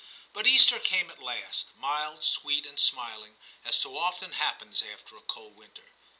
But Easter came at last, mild, sweet, and i^ XI TIM 243 smiling, as so often happens after a cold winter.